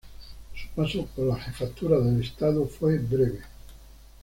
Su paso por la jefatura del Estado fue breve.